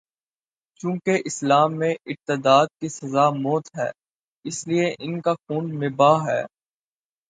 چونکہ اسلام میں ارتداد کی سزا موت ہے، اس لیے ان کا خون مباح ہے۔